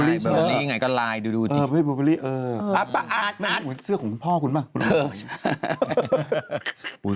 บลูเปรลี่ใช่ไหมเออปลาอาจเหมือนเสื้อของพ่อคุณมั้ยพูดมาก